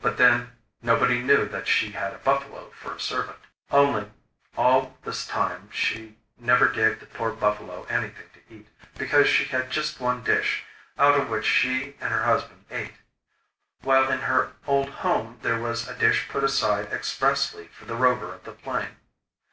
But then, nobody knew that she had a buffalo for a servant. Only, all this time she never gave the poor buffalo anything to eat, because she had just one dish, out of which she and her husband ate; while in her old home there was a dish put aside expressly for the Rover of the Plain.